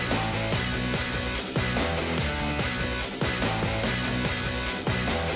สวัสดีครับ